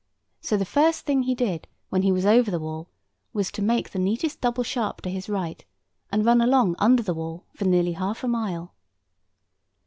So the first thing he did when he was over the wall was to make the neatest double sharp to his right, and run along under the wall for nearly half a mile.